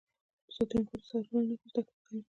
سانتیاګو د صحرا له نښو زده کړه کوي.